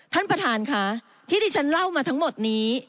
ท่านประธานค่ะที่ที่ฉันเล่ามาทั้งหมดนี้